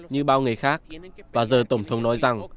như bao người khác và giờ tổng thống nói rằng